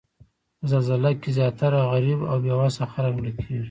په زلزله کې زیاتره غریب او بې وسه خلک مړه کیږي